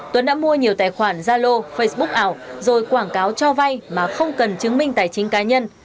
tuấn đã mua nhiều tài khoản zalo facebook ảo rồi quảng cáo cho vay mà không cần chứng minh tài chính cá nhân